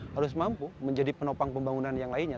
harus mampu menjadi penopang pembangunan yang lainnya